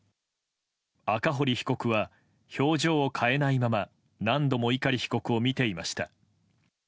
赤堀被告は表情を変えないまま何度も碇被告を見ていました。